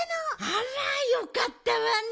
あらよかったわね。